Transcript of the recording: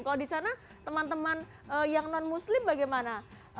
kalau di sana teman teman yang non muslim bagaimana